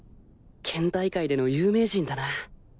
県大会での有名人だな